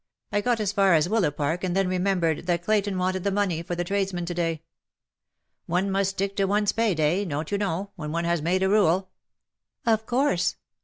I got as far as Willapark, and then remembered that Clayton wanted the money for the tradesmen to day. One must stick to one's pay day, don't you know, when one has made a rule." " 0£ course.